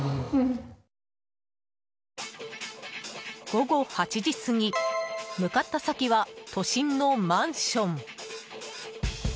午後８時過ぎ向かった先は都心のマンション。